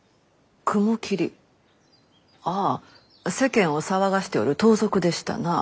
雲霧ああ世間を騒がしておる盗賊でしたな。